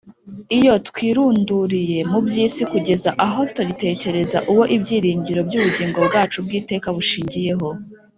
,. Iyo twirunduriye mu by’isi kugeza aho tutagitekereza Uwo ibyiringiro by’ubugingo bwacu bw’iteka bushingiyeho,